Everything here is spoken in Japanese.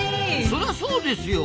そりゃそうですよ！